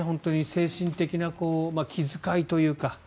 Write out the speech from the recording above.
精神的な気遣いというか。